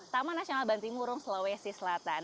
taman nasional bantimurung sulawesi selatan